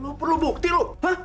lo perlu bukti lo